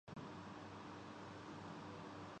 جس نے خلاکو کچرا کنڈی بنایا ہے وہی صاف کرے گا